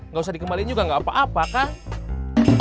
gak usah dikembaliin juga gak apa apa kang